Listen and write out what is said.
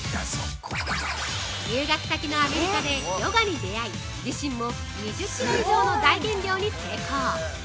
留学先のアメリカでヨガに出会い自身も２０キロ以上の大減量に成功。